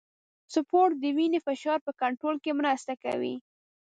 سپورت د وینې فشار په کنټرول کې مرسته کوي.